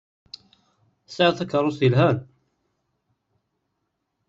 Tesɛiḍ takeṛṛust yelhan?